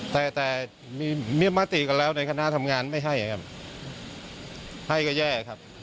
แต่แต่มีมติกันแล้วในคณะทำงานไม่ให้ครับให้ก็แย่ครับ